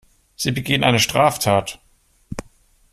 Sie begehen eine Straftat.